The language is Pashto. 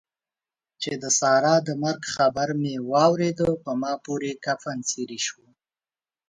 چې د سارا د مرګ خبر مې واورېد؛ په ما پورې کفن څيرې شو.